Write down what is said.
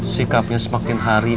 sikapnya semakin hari